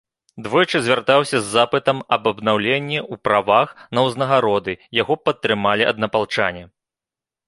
Двойчы звяртаўся з запытам аб аднаўленні ў правах на ўзнагароды, яго падтрымалі аднапалчане.